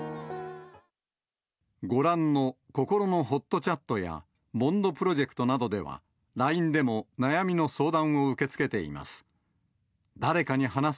ご覧のこころのほっとチャットや、ＢＯＮＤプロジェクトなどでは、ＬＩＮＥでも悩みの相談を受け付けています。